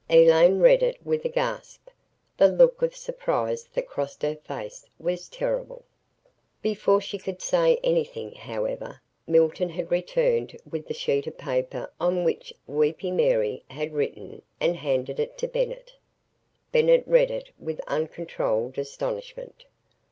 Elaine read it with a gasp. The look of surprise that crossed her face was terrible. Before she could say anything, however, Milton had returned with the sheet of paper on which "Weepy Mary" had written and handed it to Bennett. Bennett read it with uncontrolled astonishment.